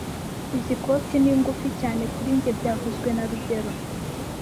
Izoi koti ni ngufi cyane kuri njye byavuzwe na rugero